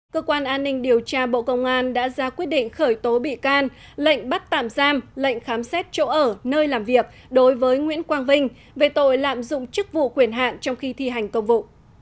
cơ quan an ninh điều tra bộ công an đã ra quyết định khởi tố bị can lệnh bắt tạm giam lệnh khám xét chỗ ở nơi làm việc đối với nguyễn quang vinh về tội lạm dụng chức vụ quyền hạn trong khi thi hành công vụ